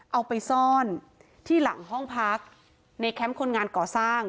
เอาไปซ่อนที่หลังห้องพักในแคมป์คนงานก่อสร้าง